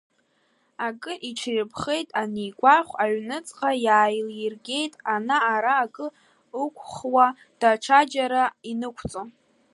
Акыр иҽирԥхеит анигәахә, аҩныҵҟа иааилиргақәеит, ана-ара акы ықәхуа, даҽаџьара инықәҵо.